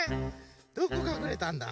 どこかくれたんだ？